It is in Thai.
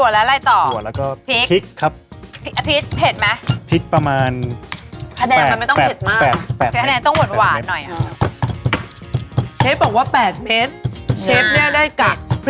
แล้วก็ใส่อะไรมาต่อเชฟ